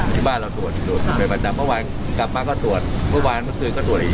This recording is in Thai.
ที่บ้านเราตรวจตรวจเป็นประจำเมื่อวานกลับมาก็ตรวจเมื่อวานเมื่อคืนก็ตรวจอีก